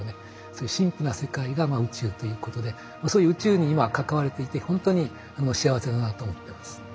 そういう神秘な世界が宇宙ということでそういう宇宙に今関われていてほんとに幸せだなと思ってます。